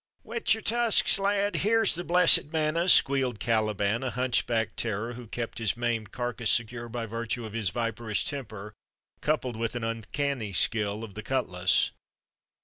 "Whet your tusks, lads, here's the blessed manna!" squealed Caliban, a hunchbacked terror, who kept his maimed carcass secure by virtue of his viperish temper, coupled with an uncanny skill of the cutlas.